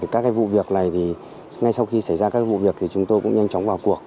các vụ việc này thì ngay sau khi xảy ra các vụ việc thì chúng tôi cũng nhanh chóng vào cuộc